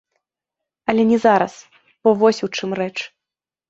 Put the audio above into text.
Але не зараз, бо вось у чым рэч.